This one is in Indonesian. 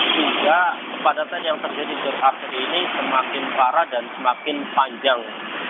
sehingga kepadatan yang terjadi di jakarta ini semakin parah dan semakin panjang